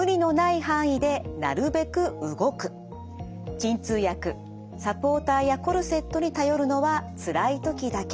鎮痛薬サポーターやコルセットに頼るのはつらい時だけ。